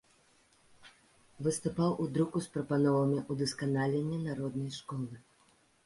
Выступаў у друку з прапановамі ўдасканалення народнай школы.